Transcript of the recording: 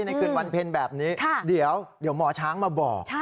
ในคืนวันเพ็ญแบบนี้เดี๋ยวหมอช้างมาบอก